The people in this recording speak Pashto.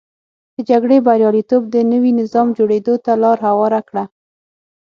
د جګړې بریالیتوب د نوي نظام جوړېدو ته لار هواره کړه.